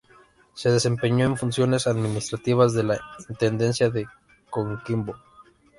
Se desempeñó en funciones administrativas de la Intendencia de Coquimbo.